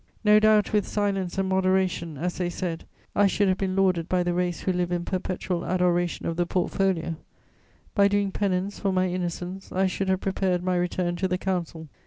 No doubt, with silence and moderation, as they said, I should have been lauded by the race who live in perpetual adoration of the portfolio; by doing penance for my innocence, I should have prepared my return to the Council.